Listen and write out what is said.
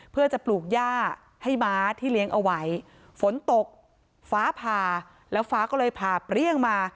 เพื่อจะปลูกย่าให้ม้าที่เลี้ยงเอาไว้ฝนตกฟ้าผ่าแล้วฟ้าก็เลยผ่าเปรี้ยงมา